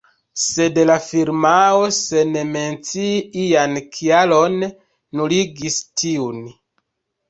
Sed la firmao, sen mencii ian kialon, nuligis tiun.